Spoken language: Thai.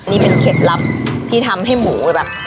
นี่เป็นเคล็ดลับที่ทำให้หมูแบบ